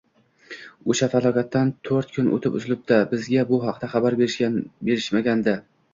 O`sha falokatdan to`rt kun o`tib, uzilibdi; bizga bu haqida xabar berishmagandi